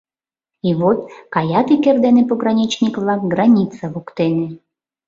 И вот — каят ик эрдене пограничник-влак граница воктене.